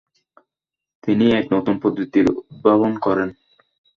তিনি এক নতুন পদ্ধতির উদ্ভাবন করেন।